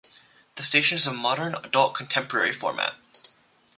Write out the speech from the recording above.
The station has a modern adult contemporary format.